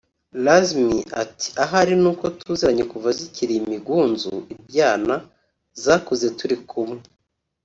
Lazmi ati “Ahari ni uko tuziranye kuva zikiri imigunzu(ibyana) zakuze turi kumwe”